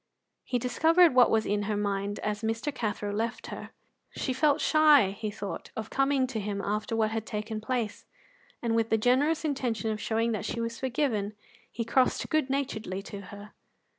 He discovered what was in her mind as Mr. Cathro left her. She felt shy, he thought, of coming to him after what had taken place, and, with the generous intention of showing that she was forgiven, he crossed good naturedly to her.